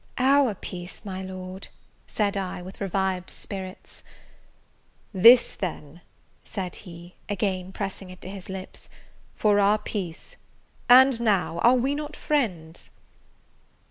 "Our peace, my Lord!" said I, with revived spirits. "This, then," said he, again pressing it to his lips, "for our peace: and now, are we not friends?"